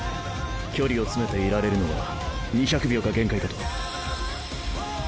距離を詰めていられるのは２００秒が限界かと。